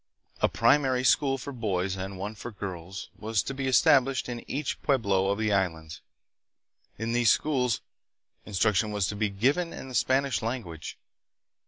A primary school for boys and one for girls was to be established in each pueblo of the Islands. In these schools, instruction was to be given in the Spanish language.